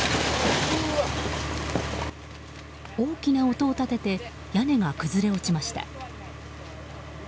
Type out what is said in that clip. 大きな音を立てて屋根が崩れ落ちました。